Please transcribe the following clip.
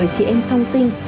một mươi chị em sau sinh